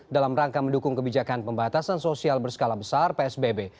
dalam rangka mendukung kebijakan pembatasan sosial berskala besar psbb